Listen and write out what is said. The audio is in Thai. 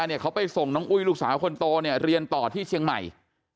เนี่ยเขาไปส่งน้องอุ้ยลูกสาวคนโตเนี่ยเรียนต่อที่เชียงใหม่